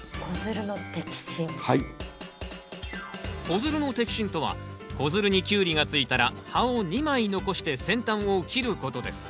子づるの摘心とは子づるにキュウリがついたら葉を２枚残して先端を切ることです。